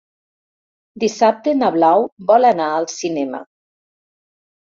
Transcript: Dissabte na Blau vol anar al cinema.